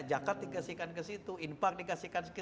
jakat dikasihkan ke situ infak dikasihkan